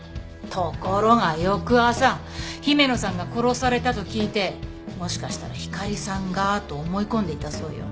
ところが翌朝姫野さんが殺されたと聞いてもしかしたらひかりさんがと思い込んでいたそうよ。